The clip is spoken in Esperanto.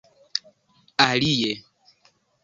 alie